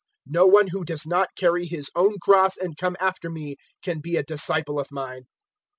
014:027 No one who does not carry his own cross and come after me can be a disciple of mine.